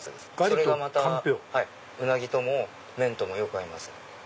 それがまたうなぎとも麺ともよく合います。